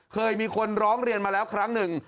เคยมีคนร้องเรียนมาแล้วครั้งหนึ่ง